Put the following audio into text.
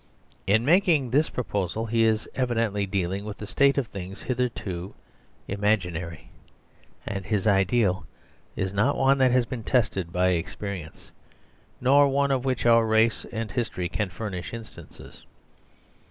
In making this pro posal he is evidently dealing with a state of things hitherto imaginary, and his ideal is not one that has 1 06 EASIEST SOLUTION been tested by experience, nor one of which our race and history can furnish instances.